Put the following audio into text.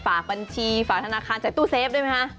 บัญชีฝากธนาคารจากตู้เซฟด้วยไหมคะ